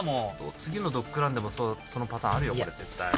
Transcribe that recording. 次のドッグランでもそのパターンあるよ、これ、絶対。